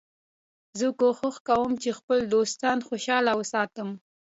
زه کوښښ کوم چي خپل دوستان خوشحاله وساتم.